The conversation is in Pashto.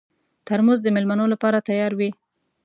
ترموز د مېلمنو لپاره تیار وي.